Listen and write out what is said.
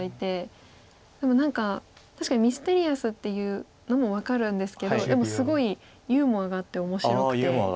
でも何か確かにミステリアスっていうのも分かるんですけどでもすごいユーモアがあって面白くて。